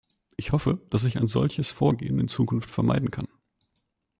Ich hoffe, dass ich ein solches Vorgehen in Zukunft vermeiden kann.